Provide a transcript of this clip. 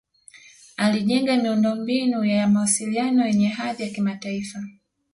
alijenga miundo mbinu ya mawasiliano yenye hadhi ya kimataifa